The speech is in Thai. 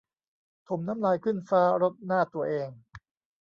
ถ่มน้ำลายขึ้นฟ้า รดหน้าตัวเอง